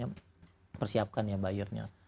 yang persiapkan ya buyernya